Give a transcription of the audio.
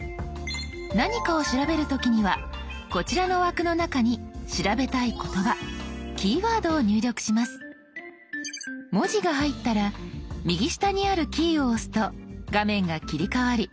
何かを調べる時にはこちらの枠の中に調べたい言葉文字が入ったら右下にあるキーを押すと画面が切り替わり